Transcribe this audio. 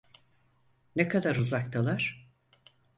Ne kadar uzaktalar?